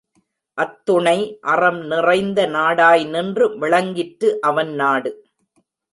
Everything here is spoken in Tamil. அத்துணை அறம் நிறைந்த நாடாய் நின்று விளங்கிற்று அவன் நாடு.